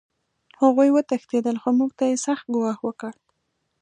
هغوی وتښتېدل خو موږ ته یې سخت ګواښ وکړ